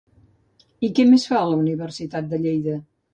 I què més fa a la Universitat de Lleida?